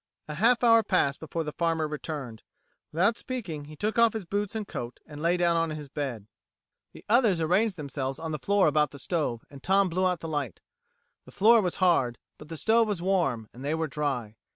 A half hour passed before the farmer returned. Without speaking, he took off his boots and coat, and lay down on his bed. The others arranged themselves on the floor about the stove, and Tom blew out the light. The floor was hard, but the stove was warm and they were dry.